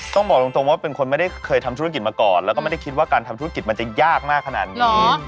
ต้องบอกตรงว่าเป็นคนไม่ได้เคยทำธุรกิจมาก่อนแล้วก็ไม่ได้คิดว่าการทำธุรกิจมันจะยากมากขนาดนี้